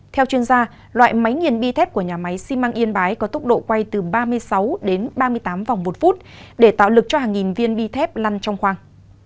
theo chuyên gia loại máy nghiền bi thép của nhà máy xi măng yên bái có tốc độ quay từ ba mươi sáu đến ba mươi tám vòng một phút để tạo lực cho hàng nghìn viên bi thép lăn trong khoang